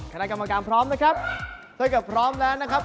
เต้นกับพร้อมแล้วนะครับ